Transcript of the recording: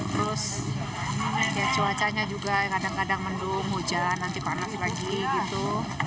terus cuacanya juga kadang kadang mendung hujan nanti panas lagi gitu